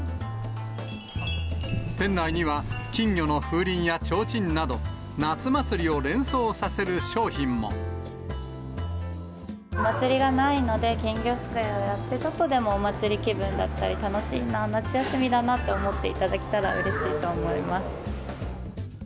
店内には、金魚の風鈴やちょうちんなど、お祭りがないので、金魚すくいをやって、ちょっとでもお祭り気分だったり、楽しいな、夏休みだなと思っていただけたらうれしいと思います。